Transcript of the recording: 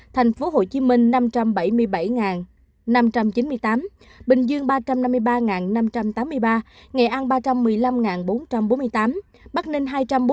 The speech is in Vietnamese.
thành phố hồ chí minh năm trăm bảy mươi bảy năm trăm chín mươi tám bình dương ba trăm năm mươi ba năm trăm tám mươi ba nghệ an ba trăm một mươi năm bốn trăm bốn mươi tám bắc ninh hai trăm bốn mươi chín